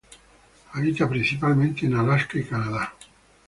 Habita principalmente en Alaska y Canadá.